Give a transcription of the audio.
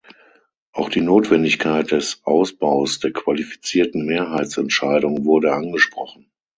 Auch die Notwendigkeit des Ausbaus der qualifizierten Mehrheitsentscheidung wurde angesprochen.